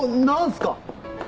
何すか？